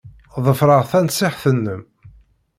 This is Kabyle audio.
Ḍefreɣ tanṣiḥt-nnem.